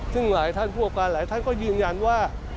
ซึ่งหลายท่านผู้ประการหลายท่านก็ยืนยันว่า